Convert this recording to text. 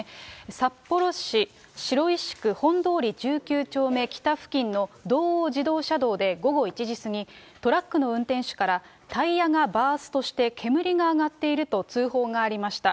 札幌市白石区ほんどおり１９丁目きた付近の道央自動車道で午後１時過ぎ、トラックの運転手からタイヤがバーストして、煙が上がっていると通報がありました。